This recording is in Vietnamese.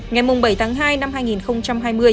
ngày bảy tháng hai năm hai nghìn hai mươi